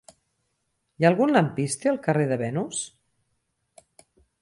Hi ha algun lampista al carrer de Venus?